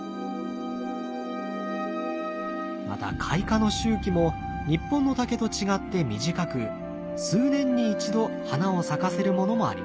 また開花の周期も日本の竹と違って短く数年に一度花を咲かせるものもあります。